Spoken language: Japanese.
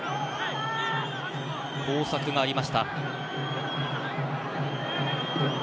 交錯がありました。